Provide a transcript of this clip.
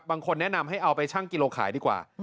บางคนแนะนำให้เอาไปชั่งกิโลขายดีกว่า